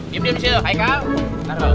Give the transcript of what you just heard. diam di situ haikal